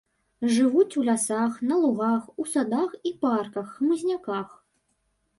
Жывуць у лясах, на лугах, у садах і парках, хмызняках.